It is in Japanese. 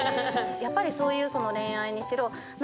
やっぱりそういう恋愛にしろ。